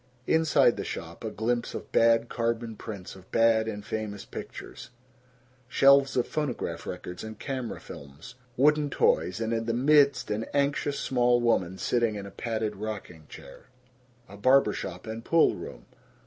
Inside the shop, a glimpse of bad carbon prints of bad and famous pictures, shelves of phonograph records and camera films, wooden toys, and in the midst an anxious small woman sitting in a padded rocking chair. A barber shop and pool room.